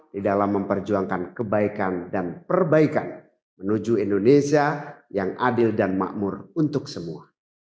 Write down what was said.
di dalam memperjuangkan kebaikan dan perbaikan menuju indonesia yang adil dan makmur untuk semua